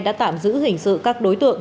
đã tạm giữ hình sự các đối tượng